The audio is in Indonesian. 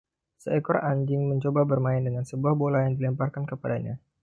Seekor anjing mencoba bermain dengan sebuah bola yang dilemparkan kepadanya